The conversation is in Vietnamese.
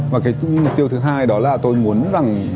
mục tiêu thứ hai đó là tôi muốn